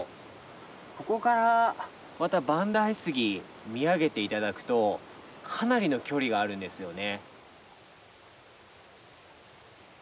ここからまた万代杉見上げて頂くとかなりの距離があるんですよね。